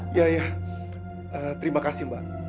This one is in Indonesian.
iya ya terima kasih mbak